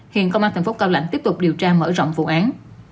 hiện công an tp cao lãnh tiếp tục điều tra mở rộng vụ án